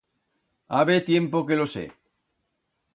Habe tiempo que lo sé.